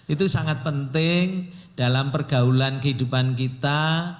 itu sangat penting dalam pergaulan kehidupan kita